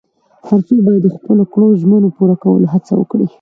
هر څوک باید د خپلو کړو ژمنو پوره کولو هڅه وکړي.